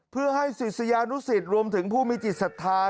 เพื่อให้ศิษยานุศิษย์รวมถึงผู้มีจิตสัตว์ท้าย